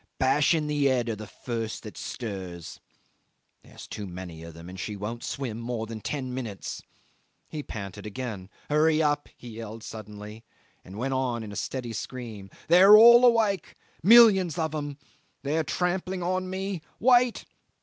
Bash in the head of the first that stirs. There's too many of them, and she won't swim more than ten minutes." He panted again. "Hurry up," he yelled suddenly, and went on in a steady scream: "They are all awake millions of them. They are trampling on me! Wait!